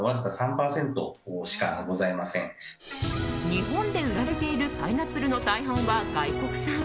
日本で売られているパイナップルの大半は外国産。